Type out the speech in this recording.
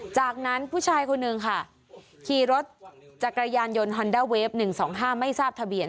จากนั้นผู้ชายคนหนึ่งค่ะขี่รถจากกระยานยนต์ฮอนดาเวฟหนึ่งสองห้าไม่ทราบทะเบียน